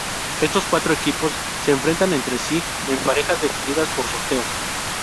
Estos cuatro equipos se enfrentan entre sí en parejas definidas por sorteo.